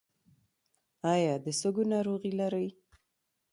ایا د سږو ناروغي لرئ؟